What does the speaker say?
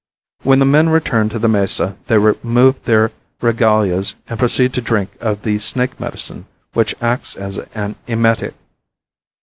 When the men return to the mesa they remove their regalias and proceed to drink of the snake medicine which acts as an emetic.